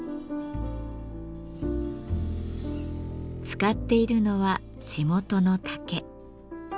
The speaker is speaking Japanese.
使っているのは地元の竹。